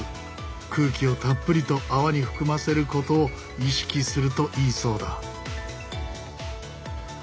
空気をたっぷりと泡に含ませることを意識するといいそうだ。